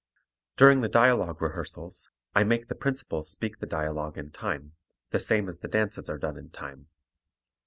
During the dialogue rehearsals, I make the principals speak the dialogue in time, the same as the dances are done in time.